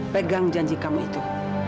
pegang janji kamu itu